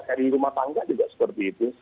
ri rumah tangga juga seperti itu